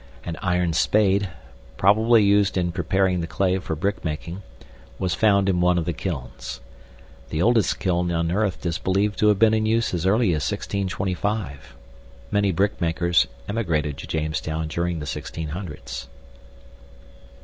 An iron spade, probably used in preparing the clay for brickmaking, was found in one of the kilns. The oldest kiln unearthed is believed to have been in use as early as 1625. Many brickmakers emigrated to Jamestown during the 1600's.